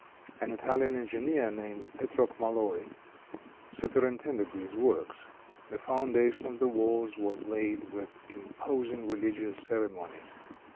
An Italian engineer, named Petrok Maloi, superintended these works. The foundation of the walls was laid with imposing religious ceremonies.